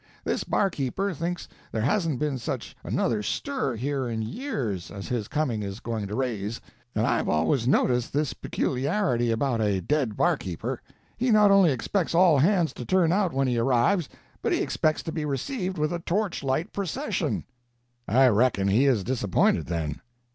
This barkeeper thinks there hasn't been such another stir here in years, as his coming is going to raise.—And I've always noticed this peculiarity about a dead barkeeper—he not only expects all hands to turn out when he arrives, but he expects to be received with a torchlight procession." "I reckon he is disappointed, then."